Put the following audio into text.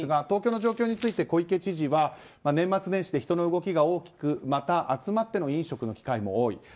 東京の状況について小池知事は、年末年始で人の動きが多くまた集まっての飲食の機会も多い。